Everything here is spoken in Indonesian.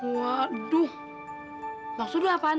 waduh itu apaan